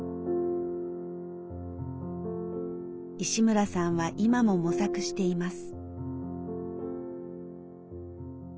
石村さんは今も模索しています。